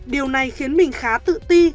điều này khiến mình khá tự ti